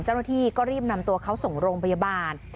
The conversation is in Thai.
เจ้าหน้าที่ก็รีบนำตัวเขาส่งโรงพยาบาล